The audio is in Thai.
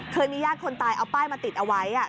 เคยมีญาติคนตายเอาป้ายมาติดเอาไว้